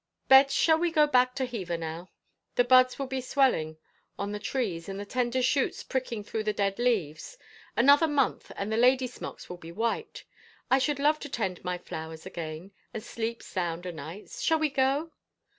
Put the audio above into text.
Bet, shall we go back to Hever now? The buds will be swelling on the trees and the tender shoots pricking through the dead leaves. Another month and the lady smocks will be white. I should love to tend my flowers again — and sleep sound o' nights. Shall we go?